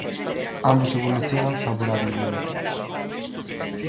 Ambos evolucionan favorablemente.